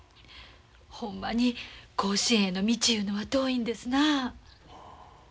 ほんまに甲子園への道いうのは遠いんですなあ。